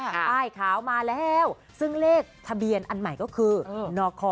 ป้ายขาวมาแล้วซึ่งเลขทะเบียนอันใหม่ก็คือนค